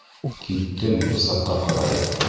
Киттем усаҡҡа ҡарай.